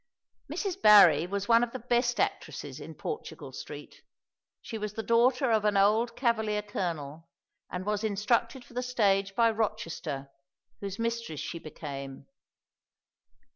Mrs. Barry was one of the best actresses in Portugal Street. She was the daughter of an old Cavalier colonel, and was instructed for the stage by Rochester, whose mistress she became.